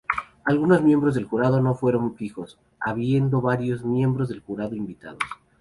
Algunos miembros del jurado no fueron fijos, habiendo varios miembros del jurado invitados.